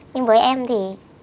nhưng với em thì